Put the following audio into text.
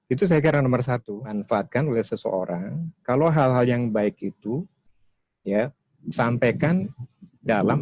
itu saya kira nomor satu manfaatkan oleh seseorang kalau hal hal yang baik itu ya sampaikan dalam